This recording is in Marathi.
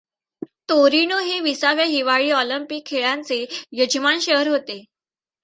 तोरिनो हे विसाव्या हिवाळी ऑलिंपिक खेळांचे यजमान शहर होते.